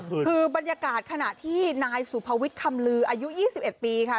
คือบรรยากาศขณะที่นายสุภวิตคำลืออายุ๒๑ปีค่ะ